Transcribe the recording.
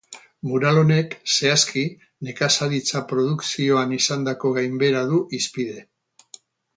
Mural honek, zehazki, nekazaritza produkzioan izandako gainbehera du hizpide.